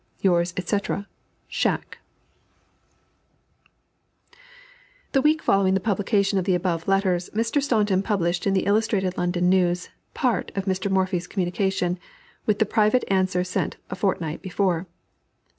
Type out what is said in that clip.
Yours, &c., SCHACK. The week following the publication of the above letters, Mr. Staunton published in the Illustrated London News PART of Mr. Morphy's communication, with the private answer sent a fortnight before.